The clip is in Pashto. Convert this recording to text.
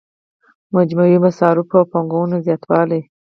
مجموعي مصارفو او پانګونې زیاتوالی.